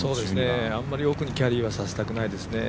あまり奥にキャディーはさしたくないですね。